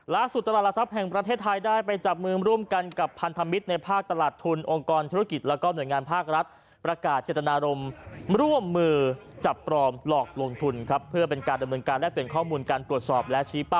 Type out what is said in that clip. ล่าสุดตลารักษ์ทรัพย์แห่งประเทศไทย